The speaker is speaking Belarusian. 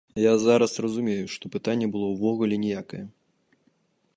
Я зараз разумею, што пытанне было ўвогуле ніякае.